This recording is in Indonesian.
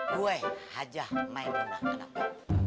gue haja maimunah kenapa